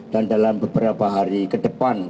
dan dalam beberapa hari ke depan